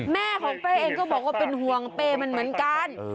แม่ของเป้เองก็บอกว่าเป็นห่วงเป้มันเหมือนกัน